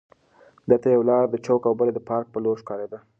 ده ته یوه لار د چوک او بله د پارک په لور ښکارېده.